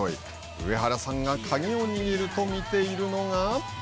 上原さんが鍵を握るとみているのが。